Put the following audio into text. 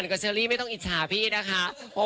อย่าไปชื่นลาวเดี๋ยวเขาซื้อลาวนะครับ